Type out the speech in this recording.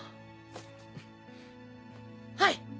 はい！